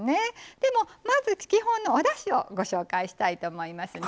でも、まず基本のおだしをご紹介したいと思いますね。